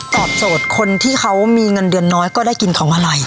ตอบโจทย์คนที่เขามีเงินเดือนน้อยก็ได้กินของอะไร